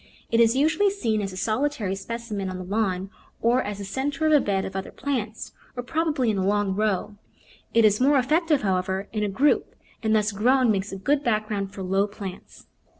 It is usually seen as a solitary specimen on the lawn, or as the centre of a bed of other plants, or probably in a long row ; it is more effective, however, in a group, and thus grown makes a good background for low plants.